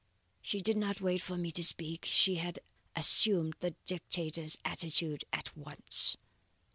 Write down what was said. "She did not wait for me to speak; she had assumed the dictator's attitude at once.